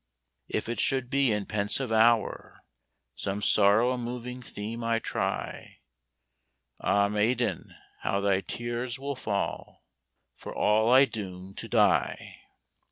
If it should be in pensive hour Some sorrow moving theme I try, Ah, maiden, how thy tears will fall, For all I doom to die!